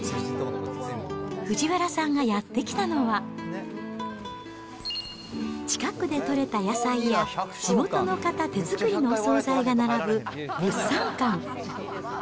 藤原さんがやって来たのは、近くで取れた野菜や、地元の方手作りのお総菜が並ぶ物産館。